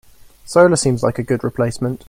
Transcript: Solar seems like a good replacement.